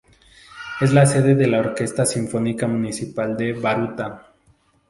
Es la sede de la Orquesta Sinfónica Municipal de Baruta.